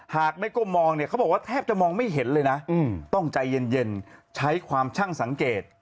หากได้ก้มมองเนี่ยเขาบอกว่าแทบจะมองไม่เห็นเลยนะต้องใจเย็นใช้ความช่างสังเกต